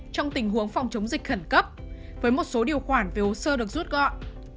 trong tình huống phòng chống dịch khẩn cấp với một số điều khoản về hồ sơ được rút gọn